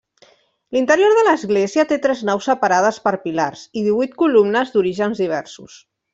L'interior de l'església té tres naus separades per pilars i divuit columnes d'orígens diversos.